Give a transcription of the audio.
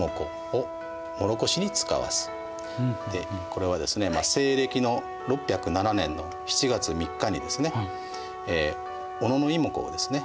これはですね西暦の６０７年の７月３日にですね小野妹子をですね